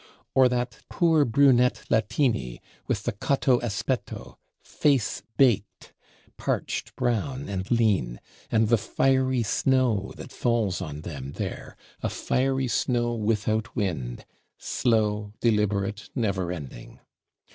Or that poor Brunette Latini, with the cotto aspetto, "face baked", parched brown and lean; and the "fiery snow" that falls on them there, a "fiery snow without wind," slow, deliberate, never ending!